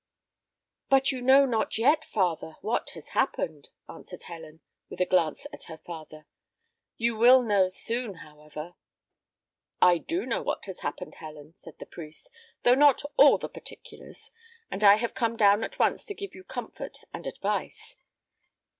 "But you know not yet, father, what has happened," answered Helen, with a glance at her father: "you will know soon, however." "I do know what has happened, Helen," said the priest; "though not all the particulars; and I have come down at once to give you comfort and advice.